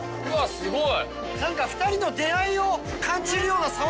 すごい。